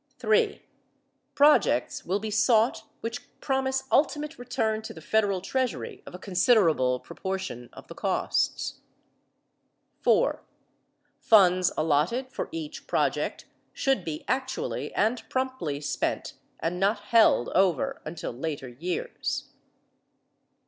(3) Projects will be sought which promise ultimate return to the federal treasury of a considerable proportion of the costs. (4) Funds allotted for each project should be actually and promptly spent and not held over until later years.